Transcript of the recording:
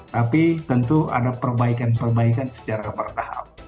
tapi tentu ada perbaikan perbaikan secara bertahap